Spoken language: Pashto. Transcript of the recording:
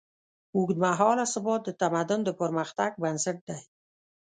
اوږدمهاله ثبات د تمدن د پرمختګ بنسټ دی.